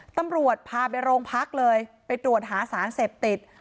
ตำรวจพาไปโรงพักเลยไปตรวจหาสารเสพติด